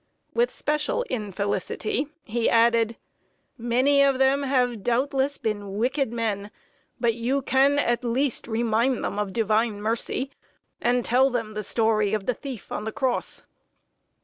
With special infelicity, he added: "Many of them have doubtless been wicked men; but you can, at least, remind them of divine mercy, and tell them the story of the thief on the cross."